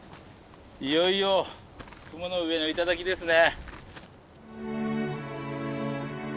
いよいよ雲の上の頂ですね。